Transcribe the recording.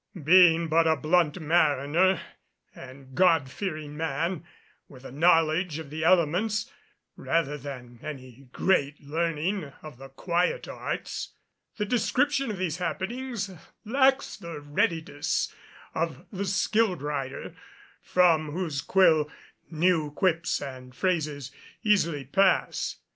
Being but a blunt mariner and God fearing man, with a knowledge of the elements rather than any great learning of the quiet arts, the description of these happenings lacks the readiness of the skilled writer, from whose quill new quips and phrases easily pass.